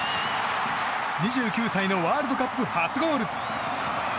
２９歳のワールドカップ初ゴール！